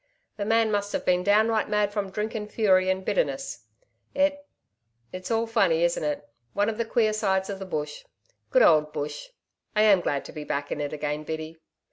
The man must have been downright mad from drink and fury and bitterness. It it's all funny isn't it? One of the queer sides of the Bush. Good old Bush! I am glad to be back in it again, Biddy.'